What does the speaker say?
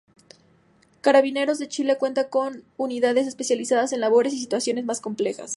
Carabineros de Chile cuenta con unidades especializadas en labores y situaciones más complejas.